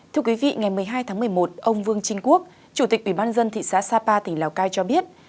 thưa quý vị ngày một mươi hai tháng một mươi một ông vương trinh quốc chủ tịch ubnd thị xã sapa tỉnh lào cai cho biết